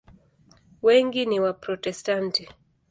Wengi ni Waprotestanti.